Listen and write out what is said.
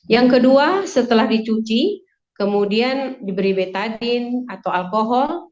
yang kedua setelah dicuci kemudian diberi betadin atau alkohol